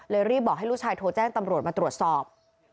รีบบอกให้ลูกชายโทรแจ้งตำรวจมาตรวจสอบ